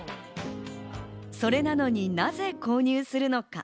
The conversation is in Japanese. それなのになぜ購入するのか。